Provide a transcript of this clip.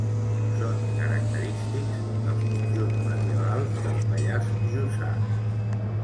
Són característics dels conjunts medievals del Pallars Jussà.